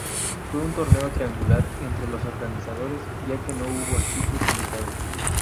Fue un torneo triangular entre los organizadores ya que no hubo equipos invitados.